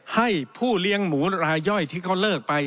ให้ผู้เลี้ยงหมูรายย่อยที่เขาเลิกไป